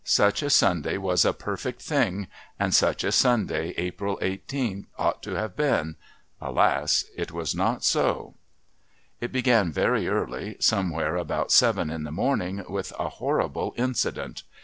Such a Sunday was a perfect thing and such a Sunday April 18 ought to have been...alas! it was not so. It began very early, somewhere about seven in the morning, with a horrible incident.